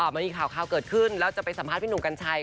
มันมีข่าวเกิดขึ้นแล้วจะไปสัมภาษณ์พี่หนุ่มกัญชัย